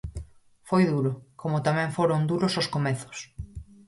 Foi duro, como tamén foron duros os comezos.